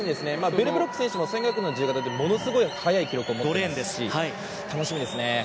ベルブロック選手も１５００でものすごい早い記録を持っているので楽しみですね。